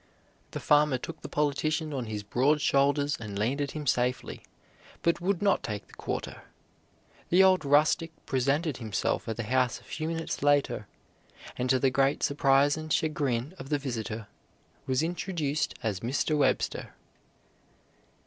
The farmer took the politician on his broad shoulders and landed him safely, but would not take the quarter. The old rustic presented himself at the house a few minutes later, and to the great surprise and chagrin of the visitor was introduced as Mr. Webster.